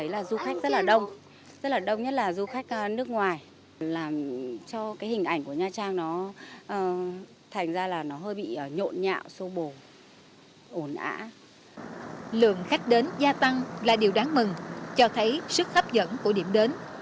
lượng khách đến gia tăng là điều đáng mừng cho thấy sức hấp dẫn của điểm đến